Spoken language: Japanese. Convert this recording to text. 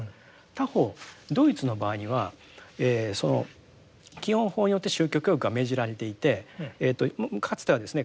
他方ドイツの場合には基本法によって宗教教育が命じられていてかつてはですね